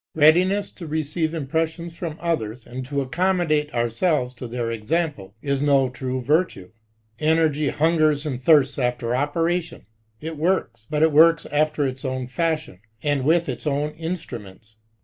Readiness to receive impressions frokn others, MORALITY. 157 and to accommodate ourselves to their example, is no triie virtue. Energy hungers and thirsts after operation. It works, but it works after its own fashion, and with its own. instruments.